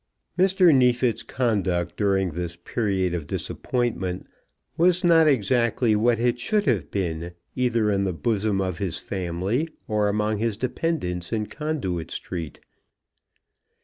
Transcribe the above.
Mr. Neefit's conduct during this period of disappointment was not exactly what it should to have been, either in the bosom of his family or among his dependents in Conduit Street.